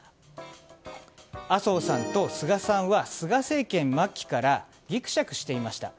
麻生さんと菅さんは菅政権末期からぎくしゃくしていました。